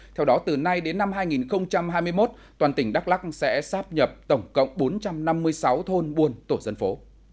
theo đó từ nay đến năm hai nghìn hai mươi một toàn tỉnh đắk lắc sẽ sắp nhập tổng cộng bốn trăm năm mươi sáu thôn buôn tổ dân phố